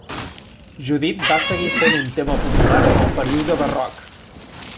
Judit va seguir sent un tema popular en el període barroc.